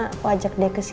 aku ajak dia kesini